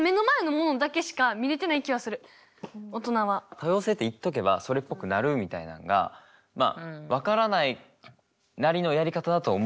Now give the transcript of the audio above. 多様性って言っとけばそれっぽくなるみたいなのがまあ分からないなりのやり方だと思うけど。